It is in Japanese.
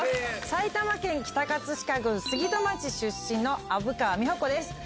埼玉県北飾郡杉戸町出身の虻川美穂子です。